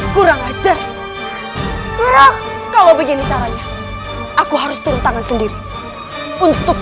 kurang ajar kalau begini caranya aku harus turun tangan sendiri untuk